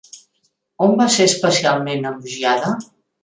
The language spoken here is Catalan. On va ser especialment elogiada?